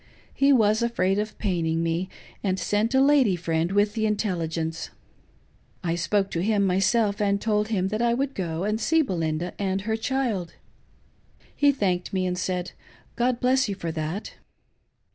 He was afraid of paining me and sent a lady friend with the intelligence. I spoke to him myself and told him that I would go and see Belinda and her child. He thanked me and said, " God bless you for that."